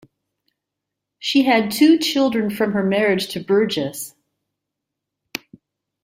She had two children from her marriage to Burgess.